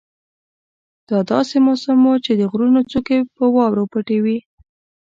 دا داسې موسم وو چې د غرونو څوکې په واورو پټې وې.